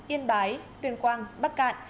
yên bái tuyên quang bắc cạn